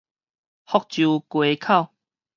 福州街口